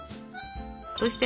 そして？